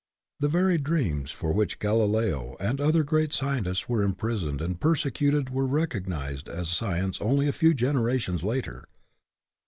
The very dreams for which Galileo and other great scientists were imprisoned and persecuted were recognized as science only a few generations later.